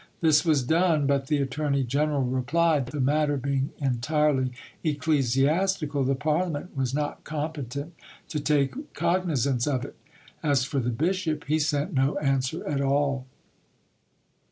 This was done, but the attorney general replied that the matter being entirely ecclesiastical the Parliament was not competent to take cognisance of it. As for the bishop, he sent no answer at all.